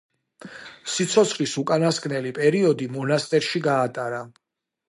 სიცოცხლის უკანასკნელი პერიოდი მონასტერში გაატარა.